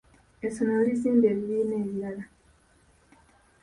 Essomero lizimbye ebibiina ebirala.